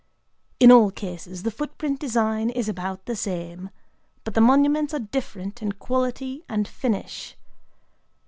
In all cases the footprint design is about the same; but the monuments are different in quality and finish.